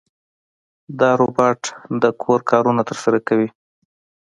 دا روبوټ د کور کارونه ترسره کوي.